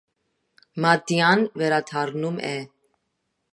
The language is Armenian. Մատտիան վերադառնում է։